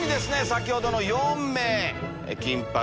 先ほどの４名。